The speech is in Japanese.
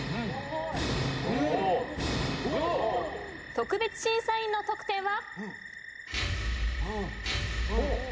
特別審査員の得点は？